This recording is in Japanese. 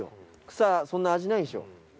草そんな味ないんでしょ？